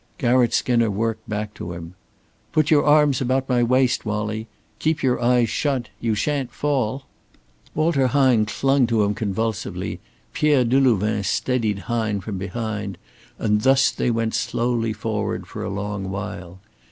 Garratt Skinner worked back to him. "Put your arms about my waist, Wallie! Keep your eyes shut! You shan't fall." Walter Hine clung to him convulsively, Pierre Delouvain steadied Hine from behind, and thus they went slowly forward for a long while.